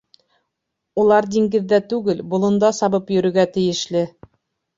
Улар диңгеҙҙә түгел, болонда сабып йөрөргә тейешле.